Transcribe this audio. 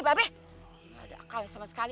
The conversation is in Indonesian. babes ada akal sama sekali